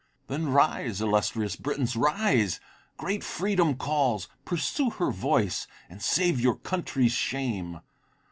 Then rise, illustrious Britons, rise! Great Freedom calls, pursue her voice, And save your country's shame!